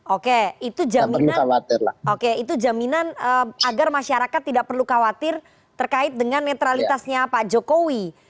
oke itu jaminan agar masyarakat tidak perlu khawatir terkait dengan netralitasnya pak jokowi